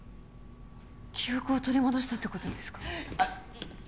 記憶を取り戻したってことですか？